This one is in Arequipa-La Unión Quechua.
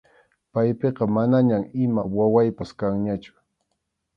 Paypiqa manañam ima wawaypas kanñachu.